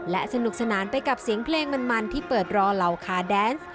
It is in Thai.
และสนุกสนานไปกับเสียงเพลงมันที่เปิดรอเหล่าคาแดนซ์